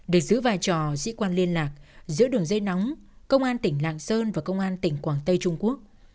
để giữ vai trò sĩ quan liên lạc giữa đường dây nóng công an tỉnh lạng sơn và công an tỉnh quảng tây trung quốc